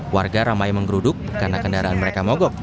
warga ramai menggeruduk karena kendaraan mereka mogok